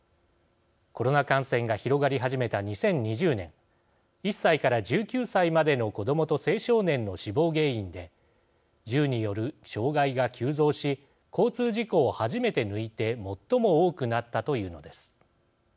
コロナ感染が広がり始めた２０２０年１歳から１９歳までの子どもと青少年の死亡原因で銃による傷害が急増し交通事故を初めて抜いて最も多くなったというのです。